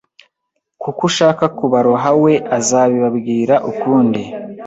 kuko ushaka kubaroha we azabibabwira ukundi